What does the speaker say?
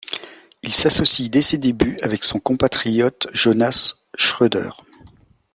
Il s'associe dès ses débuts avec son compatriote Jonas Schröder.